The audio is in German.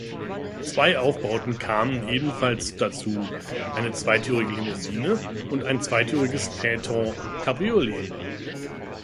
Zwei Aufbauten kamen ebenfalls dazu: eine zweitürige Limousine und ein zweitüriges Phaeton-Cabriolet.